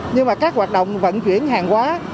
nhưng mà các hoạt động vận chuyển hàng hóa